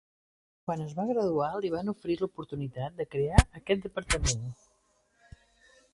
Quan es va graduar li van oferir l'oportunitat de crear aquest departament.